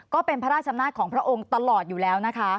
ก็เป็นพระราชอำนาจของพระองค์ตลอดอยู่แล้วนะคะ